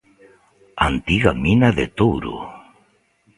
A antiga mina de Touro.